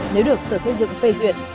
nếu được sở xây dựng phê duyệt